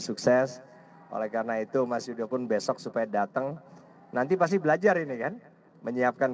sukses oleh karena itu mas yuda pun besok supaya datang nanti pasti belajar ini kan menyiapkan